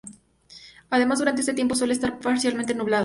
Además, durante este tiempo suele estar parcialmente nublado.